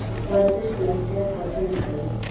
ورزش د روغتیا ساتنه کوي.